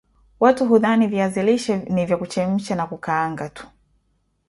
watu hudhani viazi lishe nivya kuchemsha na kukaanga tu